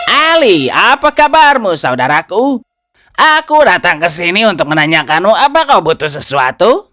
ali apa kabarmu saudaraku aku datang ke sini untuk menanyakanmu apa kau butuh sesuatu